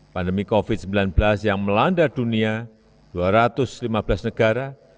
pandemi covid sembilan belas yang melanda dunia dua ratus lima belas negara